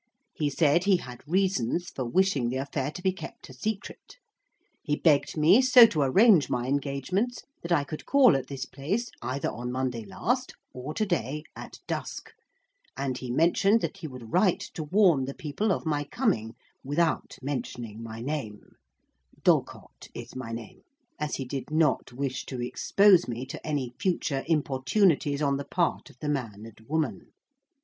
He said he had reasons for wishing the affair to be kept a secret. He begged me so to arrange my engagements that I could call at this place either on Monday last, or to day, at dusk; and he mentioned that he would write to warn the people of my coming, without mentioning my name (Dalcott is my name), as he did not wish to expose me to any future importunities on the part of the man and woman.